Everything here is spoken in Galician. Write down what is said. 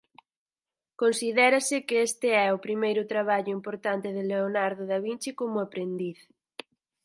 Considérase que este é o primeiro traballo importante de Leonardo da Vinci como aprendiz.